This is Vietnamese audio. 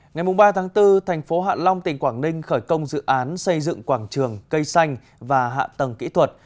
ngày ba bốn tp hcm tỉnh quảng ninh khởi công dự án xây dựng quảng trường cây xanh và hạ tầng kỹ thuật